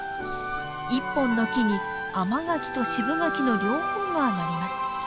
１本の木に甘柿と渋柿の両方がなります。